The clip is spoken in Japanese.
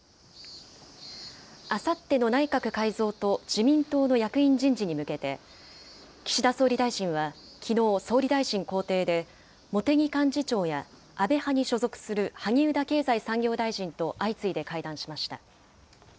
あさっての内閣改造と自民党の役員人事に向けて、岸田総理大臣は、きのう、総理大臣公邸で、茂木幹事長や安倍派に所属する萩生田経済産業大臣と相次いで会談しました。